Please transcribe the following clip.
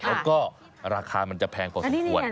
แล้วก็ราคามันจะแพงกว่าสิบพวน